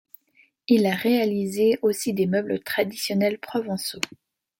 Il a réalisé aussi des meubles traditionnels provençaux.